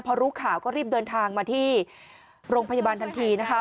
พอรู้ข่าวก็รีบเดินทางมาที่โรงพยาบาลทันทีนะคะ